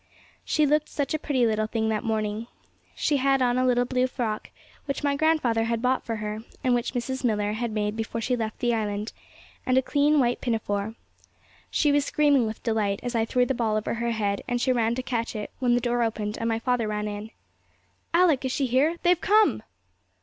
She looked such a pretty little thing that morning. She had on a little blue frock, which my grandfather had bought for her, and which Mrs. Millar had made before she left the island, and a clean white pinafore. She was screaming with delight, as I threw the ball over her head and she ran to catch it, when the door opened, and my father ran in. 'Alick, is she here? They've come!'